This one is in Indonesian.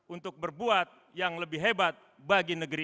untuk berbuat yang lebih baik dan lebih baik untuk mereka